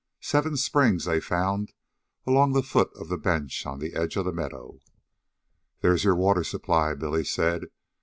Seven springs they found along the foot of the bench on the edge of the meadow. "There's your water supply," Billy said.